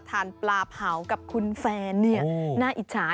ทานปลาเผากับคุณแฟนน่าอิจฉา